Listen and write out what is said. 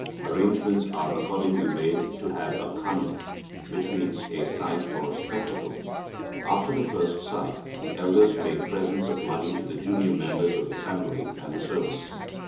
Arrangements are accordingly made to have a kani, which means a sight or spectacle (see p. 18). After the first sight, the elders make presents of money to the junior members of the family and the servants.